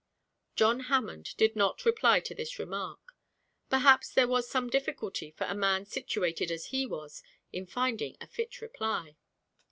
John Hammond did not reply to this remark: perhaps there was some difficulty for a man situated as he was in finding a fit reply.